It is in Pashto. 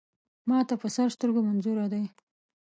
ما ته په سر سترګو منظور دی.